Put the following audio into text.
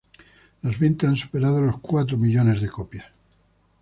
Las ventas han superado los cuatro millones de copias.